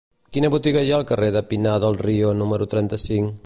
Quina botiga hi ha al carrer de Pinar del Río número trenta-cinc?